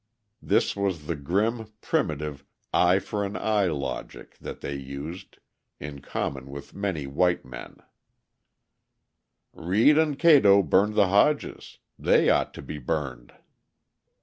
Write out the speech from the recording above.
This was the grim, primitive eye for an eye logic that they used, in common with many white men: "Reed and Cato burned the Hodges; they ought to be burned."